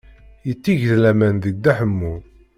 Yetteg laman deg Dda Ḥemmu.